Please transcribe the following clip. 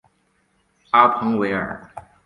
阿彭维尔。